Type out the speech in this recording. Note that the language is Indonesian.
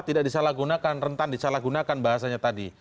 tidak disalahgunakan rentan disalahgunakan bahasanya tadi